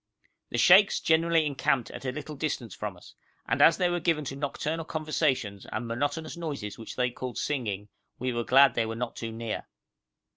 The sheikhs generally encamped at a little distance from us, and as they were given to nocturnal conversations and monotonous noises which they called singing, we were glad they were not too near.